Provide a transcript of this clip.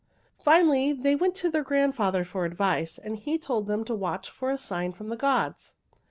Finally they went to their grandfather for advice, and he told them to watch for a sign from the gods.